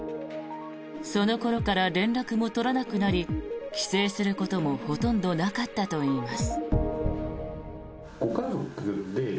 その頃から連絡も取らなくなり帰省することもほとんどなかったといいます。